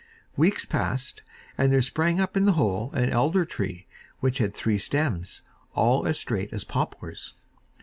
Weeks passed away, and there sprang up in the hole an elder tree which had three stems, all as straight as poplars.